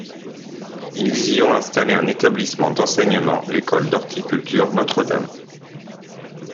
Ils y ont installé un établissement d’enseignement, l'école d'horticulture Notre-Dame.